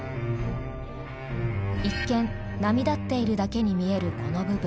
一見波立っているだけに見えるこの部分。